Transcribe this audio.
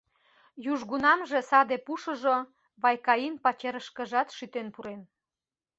Южгунамже саде пушыжо Вайкаин пачерышкыжат шӱтен пурен.